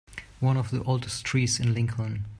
One of the oldest trees in Lincoln.